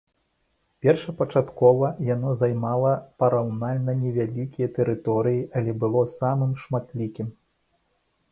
Першапачаткова, яно займала параўнальна невялікія тэрыторыі, але было самым шматлікім.